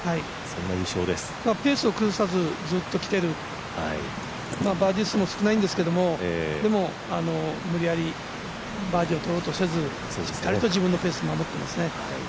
倉本ペースを崩さずずっときているバーディー数も少ないんですけど、無理やりバーディーを取ろうとせずしっかりと自分のペースを守っていますね。